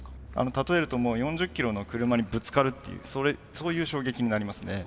例えると４０キロの車にぶつかるっていうそういう衝撃になりますね。